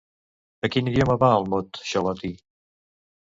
De quin idioma ve el mot Xolotl?